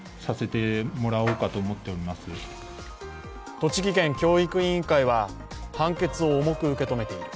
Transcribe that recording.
栃木県教育委員会は、判決を重く受け止めている。